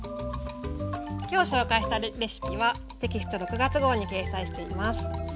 今日紹介したレシピはテキスト６月号に掲載しています。